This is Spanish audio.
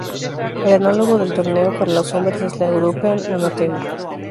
El análogo del torneo para los hombres es la European Amateur.